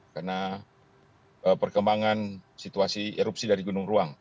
karena perkembangan situasi erupsi dari gunung ruang